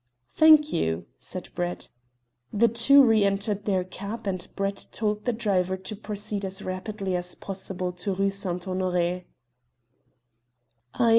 "Thank you," said Brett. The two re entered their cab, and Brett told the driver to proceed as rapidly as possible to the Rue St. Honoré.